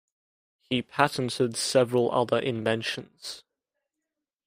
He patented several other inventions.